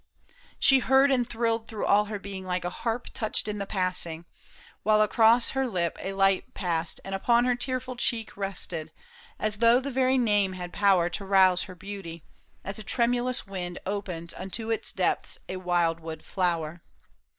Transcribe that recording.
She heard And thrilled through all her being like a harp Touched in the passing ; while across her lip A light passed and upon her tearful cheek Rested, as though the very name had power To rouse her beauty, as a tremulous wind Opens unto its depths a wild wood flower.